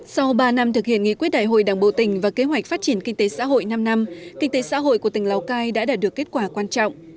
sau ba năm thực hiện nghị quyết đại hội đảng bộ tỉnh và kế hoạch phát triển kinh tế xã hội năm năm kinh tế xã hội của tỉnh lào cai đã đạt được kết quả quan trọng